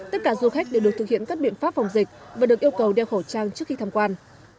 tất cả du khách đều được thực hiện các biện pháp phòng dịch và được yêu cầu đeo khẩu trang trước khi tham quan